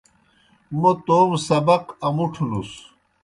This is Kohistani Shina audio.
موْ توموْ سبق امُٹھوْنُس۔